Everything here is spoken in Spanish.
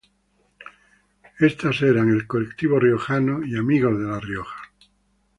Estas eran el "Colectivo Riojano" y "Amigos de La Rioja.